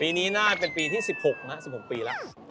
ปีนี้น่าจะเป็นปีที่๑๖นะ๑๖ปีแล้ว